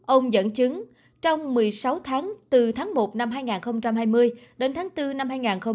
ông dẫn chứng trong một mươi sáu tháng từ tháng một năm hai nghìn hai mươi đến tháng bốn năm hai nghìn hai mươi